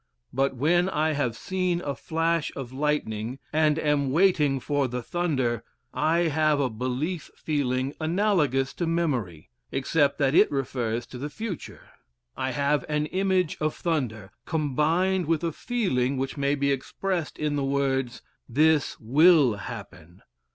But when I have seen a flash of lightning and am waiting for the thunder, I have a belief feeling analogous to memory, except that it refers to the future: I have an image of thunder, combined with a feeling which may be expressed in the words: "this will happen."